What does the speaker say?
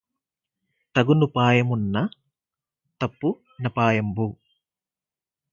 తగు నుపాయమున్న తప్పు నపాయంబు